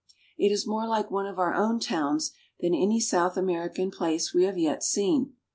It is more like one of our own towns than any South American place we have yet seen.